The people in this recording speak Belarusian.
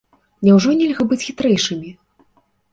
Няўжо нельга быць хітрэйшымі?